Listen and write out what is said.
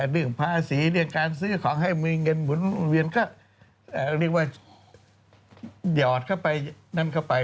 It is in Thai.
เรื่องภาษีเรื่องการซื้อของให้มีเงินหมุนเวียนก็เรียกว่าหยอดเข้าไปนั่นเข้าไป